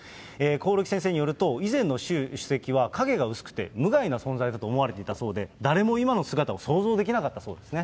興梠先生によると、以前の習主席は、影が薄くて、無害な存在だと思われていたそうで、誰も今の姿を想像できなかったそうですね。